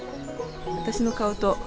私の顔と。